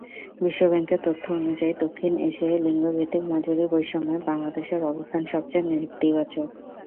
বিশ্বব্যাংকের তথ্য অনুযায়ী, দক্ষিণ এশিয়ায় লিঙ্গভিত্তিক মজুরিবৈষম্যে বাংলাদেশের অবস্থান সবচেয়ে নেতিবাচক।